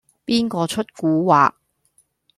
邊個出蠱惑